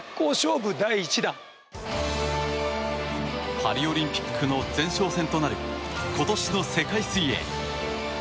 パリオリンピックの前哨戦となる今年の世界水泳。